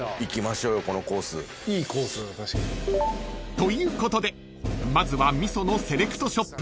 ［ということでまずは味噌のセレクトショップ